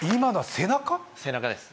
背中です